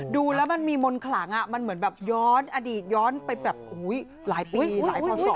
ดูแล้วมันมีมนต์ขลังมันเหมือนแบบย้อนอดีตย้อนไปแบบหลายปีหลายพศ